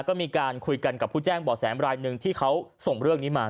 ก็มีการคุยกันกับผู้แจ้งบ่อแสบรายหนึ่งที่เขาส่งเรื่องนี้มา